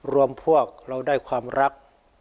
รวมพวกเราได้ความรัก